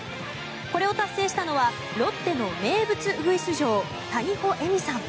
これを達成したのはロッテの名物うぐいす嬢谷保恵美さん。